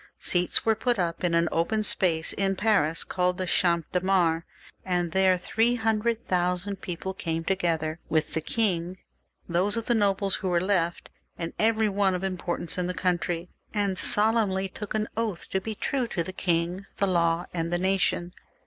Seats were put up in an open space in Paris, called the Champ de Mars, and there three hundred thousand people came together with the king, those of the nobles who were left, and every one of importance in the country, and solemnly took an oath to be true to the king, the law, and the nation.